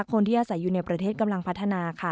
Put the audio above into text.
คนที่อาศัยอยู่ในประเทศกำลังพัฒนาค่ะ